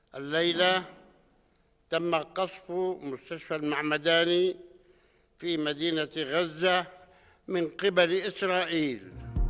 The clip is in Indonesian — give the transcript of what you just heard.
malam ini telah dikaspi di masjid al ma'madani di gaza oleh israel